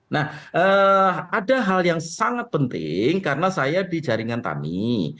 nah ada hal yang sangat penting karena saya di jaringan tami